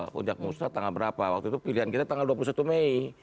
puncak musrah tanggal berapa waktu itu pilihan kita tanggal dua puluh satu mei